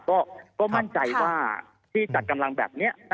ก็มั่นใจว่าที่จัดกำลังแบบนี้